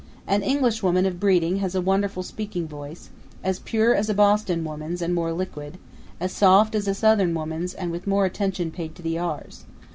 An Englishwoman of breeding has a wonderful speaking voice; as pure as a Boston woman's and more liquid; as soft as a Southern woman's and with more attention paid to the R's.